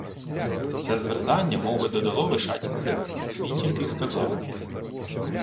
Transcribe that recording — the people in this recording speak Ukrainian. Се звертання мовби додало Вишаті сил, і він тільки й сказав: